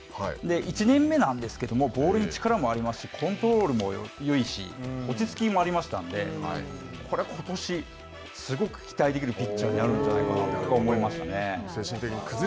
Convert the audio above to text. １年目なんですけれども、ボールに力もありますし、コントロールもよいし、落ち着きもありましたので、これは、ことし、すごく期待できるピッチャーになるんじゃないかと思いましたね。